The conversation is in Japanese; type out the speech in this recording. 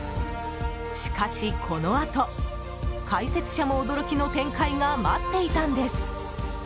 しかし、このあと解説者も驚きの展開が待っていたんです。